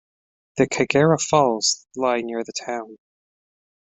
The Kagera Falls lie near the town.